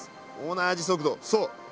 同じ速度そう。